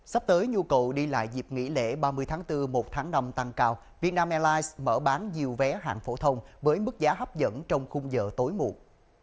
sắp tới nhu cầu đi lại dịp nghỉ lễ ba mươi tháng bốn một tháng năm tăng cao vietnam airlines mở bán nhiều vé hạng phổ thông với mức giá hấp dẫn trong khung giờ tối muộn